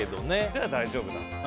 じゃあ大丈夫だな。